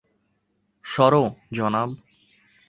সরো, জনাব।